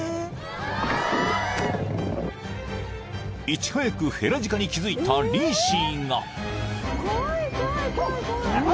［いち早くヘラジカに気付いたリーシーが］